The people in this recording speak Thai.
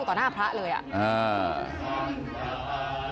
ก็กลอบถ่อหน้าพระเลยก็เห็นกัน